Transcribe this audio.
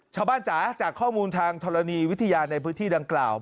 จ๋าจากข้อมูลทางธรณีวิทยาในพื้นที่ดังกล่าว